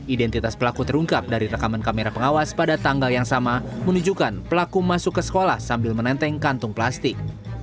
identitas pelaku terungkap dari rekaman kamera pengawas pada tanggal yang sama menunjukkan pelaku masuk ke sekolah sambil menenteng kantung plastik